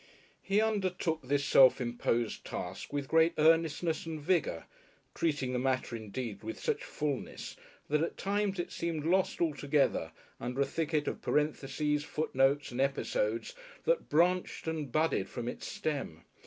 He undertook this self imposed task with great earnestness and vigour, treating the matter indeed with such fulness that at times it seemed lost altogether under a thicket of parentheses, footnotes and episodes that branched and budded from its stem.